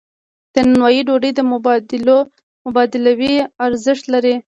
د نانوایی ډوډۍ مبادلوي ارزښت لري.